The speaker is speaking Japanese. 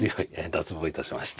脱帽いたしました。